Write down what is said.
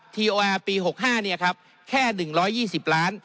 ทีโออาร์ปีหกห้าเนี่ยครับแค่หนึ่งร้อยยี่สิบล้าน